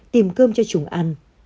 tìm cơm cho chúng ăn